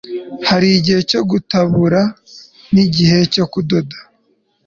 hari igihe cyo gutabura, n'igihe cyo kudoda